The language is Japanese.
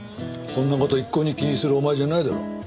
そんな事一向に気にするお前じゃないだろ。